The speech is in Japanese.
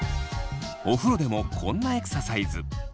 お風呂でもこんなエクササイズ。